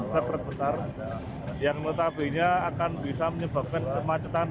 terperbetar yang menurut hp nya akan bisa menyebabkan kemacetan